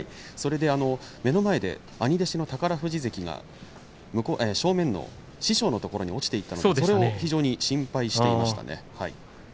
目の前で兄弟子の宝富士関が正面の師匠のところに落ちていったのでそれを非常に心配していました。